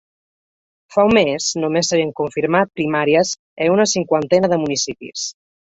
Fa un mes, només s’havien confirmat primàries en una cinquantena de municipis.